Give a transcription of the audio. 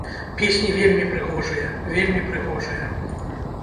Песні вельмі прыгожыя, вельмі прыгожыя.